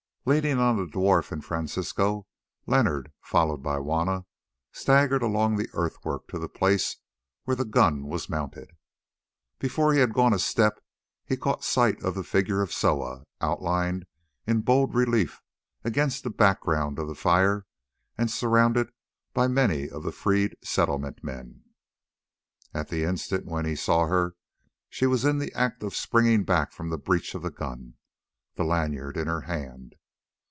Leaning on the dwarf and Francisco, Leonard, followed by Juanna, staggered along the earthwork to the place where the gun was mounted. Before he had gone a step he caught sight of the figure of Soa, outlined in bold relief against the background of the fire and surrounded by many of the freed Settlement men. At the instant when he saw her she was in the act of springing back from the breech of the gun, the lanyard in her hand.